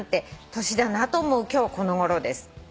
「年だなと思う今日このごろです」